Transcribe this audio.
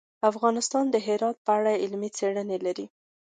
افغانستان د هرات په اړه علمي څېړنې لري.